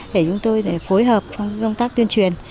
để chúng tôi phối hợp trong công tác tuyên truyền